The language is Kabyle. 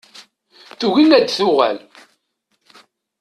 Tugi ad d-tuɣal.